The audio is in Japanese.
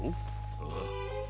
ああ。